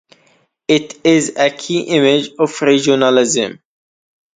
It is a key image of Regionalism.